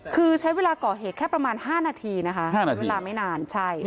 คือใช้เวลาก็เหตุแคบประมาณ๕นาทีนะคะไม่นาน